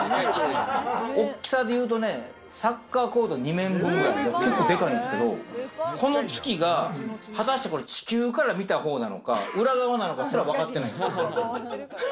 大きさで言うとね、サッカーコート２面分ぐらい、結構でかいんですけど、この月が果たして地球から見たほうなのか、裏側なのかすらわかってない。